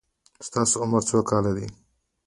ستاسو عمر څو کاله دی؟